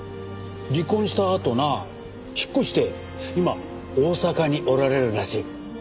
離婚したあとな引っ越して今大阪におられるらしい。